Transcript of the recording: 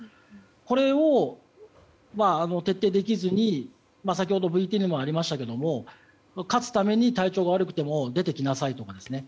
これを徹底できずに先ほどのＶＴＲにもありましたが勝つために体調が悪くても出てきなさいとかですね。